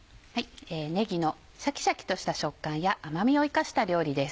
ねぎのシャキシャキとした食感や甘みを生かした料理です。